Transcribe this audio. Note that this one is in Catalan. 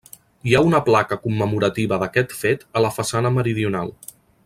Hi ha una placa commemorativa d'aquest fet a la façana meridional.